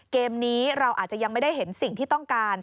เกมนี้เราอาจจะยังไม่ได้เห็นสิ่งที่ต้องการ